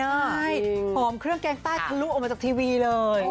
ใช่หอมเครื่องแกงใต้ทะลุออกมาจากทีวีเลย